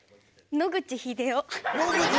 野口英世